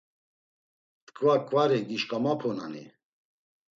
Tkva ǩvari gişǩomapunani?